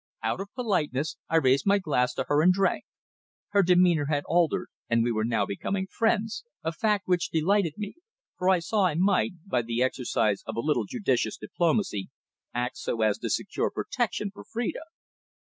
Out of politeness, I raised my glass to her and drank. Her demeanour had altered, and we were now becoming friends, a fact which delighted me, for I saw I might, by the exercise of a little judicious diplomacy, act so as to secure protection for Phrida.